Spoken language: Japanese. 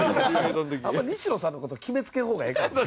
あんまり西野さんの事決めつけん方がええから。